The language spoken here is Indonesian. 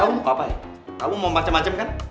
kamu mau apa kamu mau macem macem kan